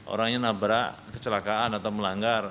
orangnya nabrak kecelakaan atau melanggar